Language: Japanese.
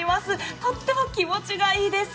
とっても気持ちがいいです。